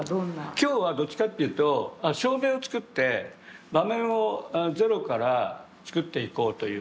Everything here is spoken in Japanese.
今日はどっちかというと照明を作って場面をゼロから作っていこうという。